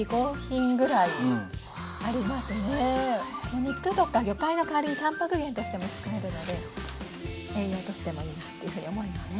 もう肉とか魚介の代わりにたんぱく源としても使えるので栄養としてもいいなっていうふうに思います。